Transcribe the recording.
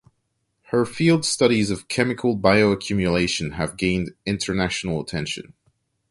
Her field studies of chemical bioaccumulation have gained international attention.